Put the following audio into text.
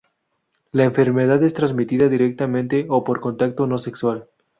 La enfermedad es transmitida directamente o por contacto no-sexual.